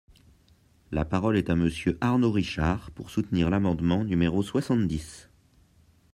La parole est à Monsieur Arnaud Richard, pour soutenir l’amendement numéro soixante-dix.